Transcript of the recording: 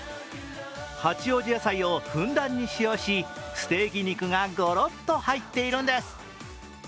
八王子野菜をふんだんに使用し、ステーキ肉がゴロッと入っているんです。